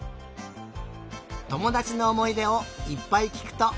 ともだちのおもいでをいっぱいきくとおもしろいね。